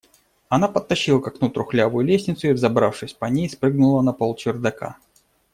Она подтащила к окну трухлявую лестницу и, взобравшись по ней, спрыгнула на пол чердака.